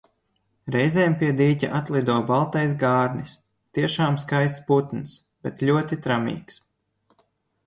Reizēm pie dīķa atlido baltais gārnis - tiešām skaists putns, bet ļoti tramīgs.